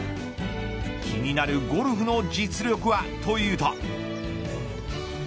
気になるゴルフの実力はというと。